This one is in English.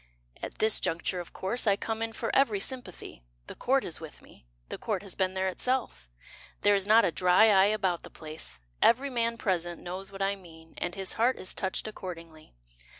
At this juncture of course I come in for every sympathy: The Court is with me, The Court has been there itself; There is not a dry eye about the place, Every man present knows what I mean, And his heart is touched accordingly.